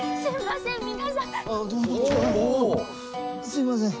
すいません。